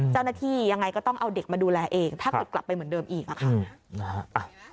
เจ้าหน้าที่ยังไงก็ต้องเอาเด็กมาดูแลเองถ้าเกิดกลับไปเหมือนเดิมอีกอะค่ะ